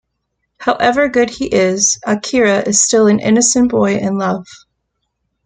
However good he is, Akira is still an innocent boy in love.